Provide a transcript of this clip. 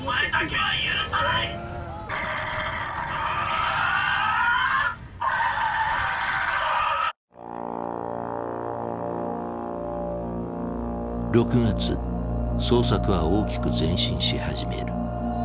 ６月捜索は大きく前進し始める。